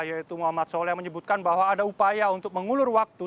yaitu muhammad soleh menyebutkan bahwa ada upaya untuk mengulur waktu